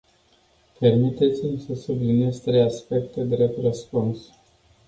Permiteți-mi să subliniez trei aspecte drept răspuns.